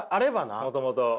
もともと。